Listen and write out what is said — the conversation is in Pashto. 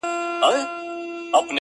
چي پیسې لري هغه د نر بچی دی,